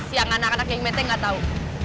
yang anak anak yang meta gak tau